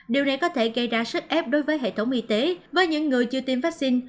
điều này có thể gây ra sức ép đối với hệ thống y tế với những người chưa tiêm vaccine